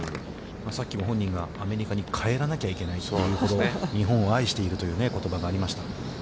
さっきも本人がアメリカに帰らなければいけないというほど、日本を愛しているという言葉がありました。